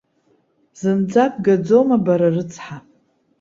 Зынӡа бгаӡоума бара рыцҳа!